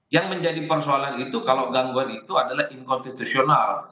yang menjadi persoalan itu kalau gangguan itu adalah inkonstitusional